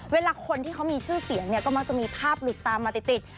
เวลาคนที่เขามีชื่อเสียงเนี่ยก็มักจะมีภาพหลุดตามมาติด